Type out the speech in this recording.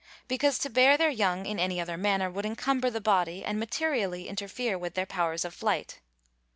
_ Because, to bear their young in any other manner, would encumber the body, and materially interfere with their powers of flight.